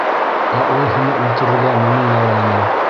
Ә ул һине үлтерергә мине ялланы.